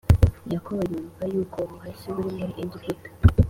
Yakobo yumva yuko ubuhashyi buri muri Egiputa